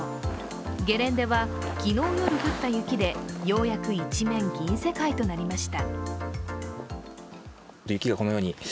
ゲレンデは昨日降った雪で、一面、銀世界となりました。